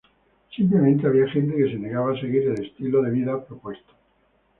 Simplemente había gente que se negaba a seguir el estilo de vida propuesto.